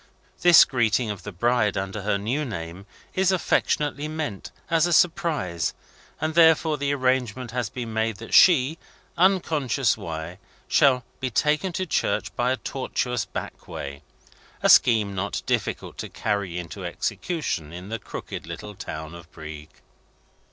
This greeting of the bride under her new name is affectionately meant as a surprise, and therefore the arrangement has been made that she, unconscious why, shall be taken to the church by a tortuous back way. A scheme not difficult to carry into execution in the crooked little town of Brieg.